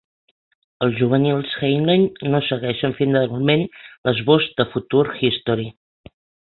Els juvenils Heinlein no segueixen fidelment l'esbós de "Future History".